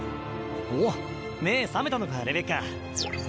おっ目ぇ覚めたのかレベッカ。